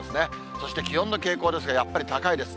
そして気温の傾向ですが、やっぱり高いです。